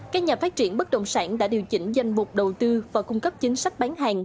các nhà phát triển bất động sản đã điều chỉnh danh mục đầu tư và cung cấp chính sách bán hàng